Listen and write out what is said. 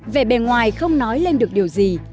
về bề ngoài không nói lên được điều gì